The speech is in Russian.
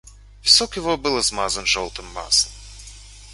Висок его был измазан желтым маслом.